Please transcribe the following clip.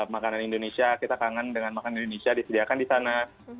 makanan indonesia kita kangen dengan makanan indonesia disediakan di sana